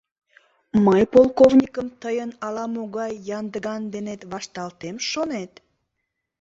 — Мый полковникым тыйын ала-могай яндыган денет вашталтем, шонет?